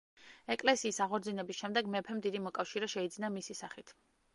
ეკლესიის აღორძინების შემდეგ მეფემ დიდი მოკავშირე შეიძინა მისი სახით.